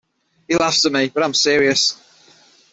He laughs at me - but I'm serious.